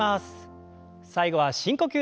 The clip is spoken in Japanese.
最後は深呼吸です。